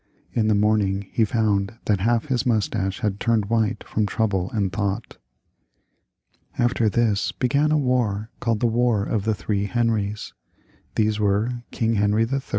In the morning he found that half his moustache had turned white from trouble and thought. After this began a war called the War of the Three Henries. These were King Henry III.